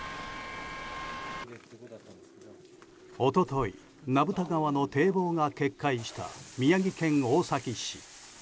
一昨日名蓋川の堤防が決壊した宮城県大崎市。